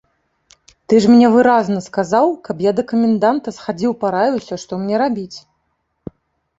Ты ж мне выразна сказаў, каб я да каменданта схадзіў параіўся, што мне рабіць.